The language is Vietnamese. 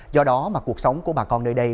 do đó mà cuộc sống của bà con nơi đây